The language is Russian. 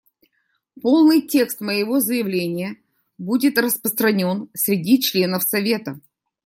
Полный текст моего заявления будет распространен среди членов Совета.